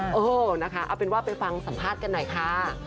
เออนะคะเอาเป็นว่าไปฟังสัมภาษณ์กันหน่อยค่ะ